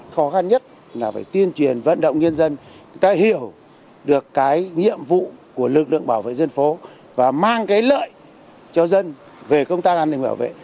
khó khăn nhất là phải tiên truyền vận động nhân dân người ta hiểu được cái nhiệm vụ của lực lượng bảo vệ dân phố và mang cái lợi cho dân về công tác an ninh bảo vệ